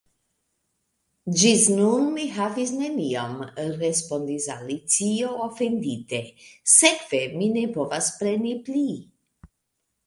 "Ĝis nun mi havis neniom," respondis Alicio, ofendite, "sekve mi ne povas preni pli."